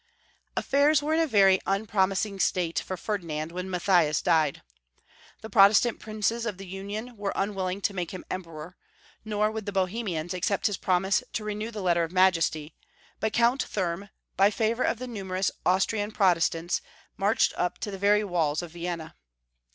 AFFAIRS were in a very unpromising state for Ferdinand when IMattliias died. The Prot estant princes of the Union were unwilling to make him Emperor, nor would the Boliemians accept his promise to renew the Letter of Majesty, but Comit Thurm, by favor of tlie numerous Austrian Protestants, marched up to the very walls of Vienna.